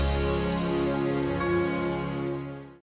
nanti kita berbicara